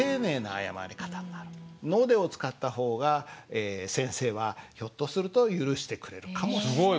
「ので」を使った方がえ先生はひょっとすると許してくれるかもしれない。